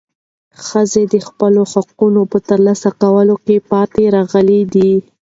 ښځې د خپلو حقوقو په ترلاسه کولو کې پاتې راغلې دي.